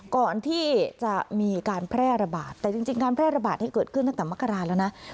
ก่อนที่จะมีการแพร่ระบาดแต่จริงการแพร่ระบาดนี้เกิดขึ้นตั้งแต่มกราแล้วนะ